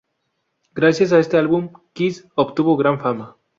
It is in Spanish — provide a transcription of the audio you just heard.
Gracias a este álbum, Kiss obtuvo gran fama.